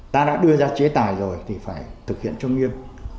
ta đã đưa ra chế tài rồi thì phải thực hiện cho nghiêm